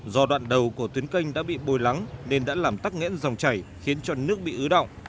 do đoạn đầu của tuyến canh đã bị bôi lắng nên đã làm tắc nghẽn dòng chảy khiến cho nước bị ứ động